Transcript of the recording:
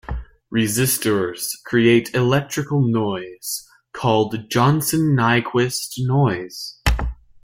Resistors create electrical noise, called Johnson-Nyquist noise.